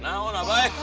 nah awal apa eh